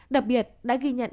đặc biệt đã ghi nhận